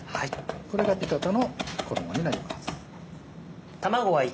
これがピカタの衣になります。